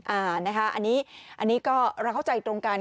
อันนี้ก็เราเข้าใจตรงกัน